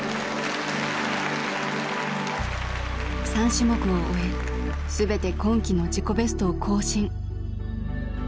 ３種目を終え全て今季の自己ベストを更新。